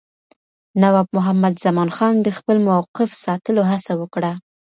نواب محمد زمانخان د خپل موقف ساتلو هڅه وکړه.